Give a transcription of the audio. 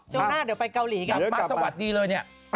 เช่านั้นเดี๋ยวไปกาหลีกับมาสวัสดีเลย